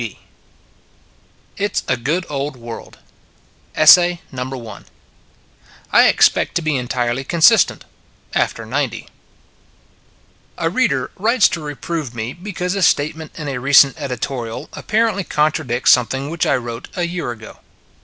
216 IT S A GOOD OLD WORLD IT S A GOOD OLD WORLD I EXPECT TO BE ENTIRELY CONSISTENT AFTER NINETY A READER writes to reprove me be cause a statement in a recent edi torial apparently contradicts something which I wrote a year ago.